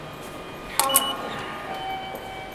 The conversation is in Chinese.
超能女孩。